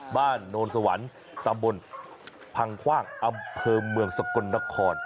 บ้านโนนสะหวัญตำบลพังคว่างอำเภอเมืองสะกดรคอน